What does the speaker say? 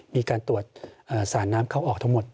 มีการตรวจสารน้ำเข้าออกทั้งหมด